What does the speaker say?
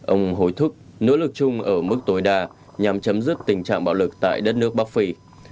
ông hối thúc nỗ lực chung ở mức tối đa nhằm chấm dứt tình trạng bạo lực tại đất nước bắc phi